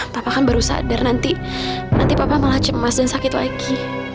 papa kan baru sadar nanti nanti papa malah cemas dan sakit lagi